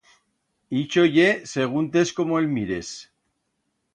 Ixo ye seguntes como el mires.